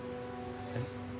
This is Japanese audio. えっ？